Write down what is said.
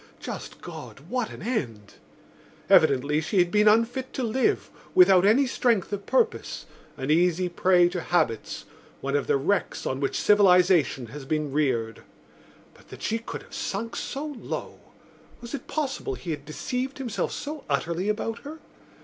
Just God, what an end! Evidently she had been unfit to live, without any strength of purpose, an easy prey to habits, one of the wrecks on which civilisation has been reared. But that she could have sunk so low! Was it possible he had deceived himself so utterly about her?